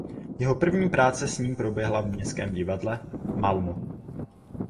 Jeho první práce s ním proběhla v Městském divadle v Malmö.